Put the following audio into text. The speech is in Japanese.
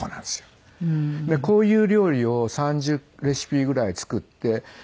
でこういう料理を３０レシピぐらい作って。